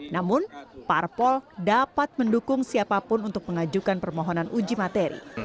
namun parpol dapat mendukung siapapun untuk mengajukan permohonan uji materi